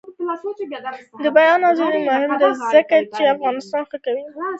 د بیان ازادي مهمه ده ځکه چې افغانستان ښه کوي.